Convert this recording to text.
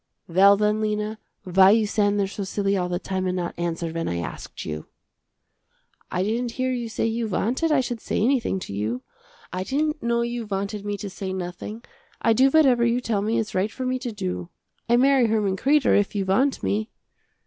"Well then Lena, why you stand there so silly all the time and not answer when I asked you." "I didn't hear you say you wanted I should say anything to you. I didn't know you wanted me to say nothing. I do whatever you tell me it's right for me to do. I marry Herman Kreder, if you want me."